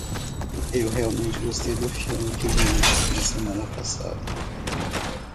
Eu realmente gostei do filme que vimos na semana passada.